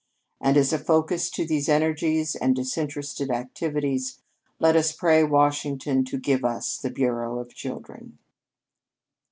And as a focus to these energies and disinterested activities, let us pray Washington to give us the Bureau of Children."